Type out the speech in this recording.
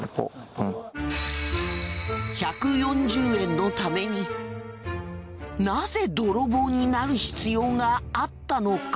１４０円のためになぜ泥棒になる必要があったのか？